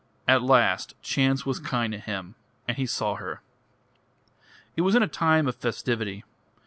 At last chance was kind to him, and he saw her. It was in a time of festivity.